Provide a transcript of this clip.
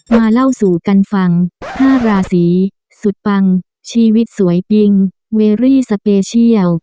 เล่าสู่กันฟัง๕ราศีสุดปังชีวิตสวยปิงเวรี่สเปเชียล